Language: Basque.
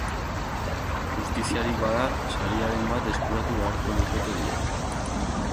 Justiziarik bada, sariren bat eskuratu beharko lukete biek.